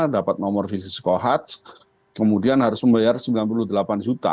dapat nomor visi skohats kemudian harus membayar sembilan puluh delapan juta